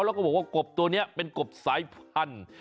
แล้วก็บอกว่ากบตัวนี้เป็นกบสายพันธุ์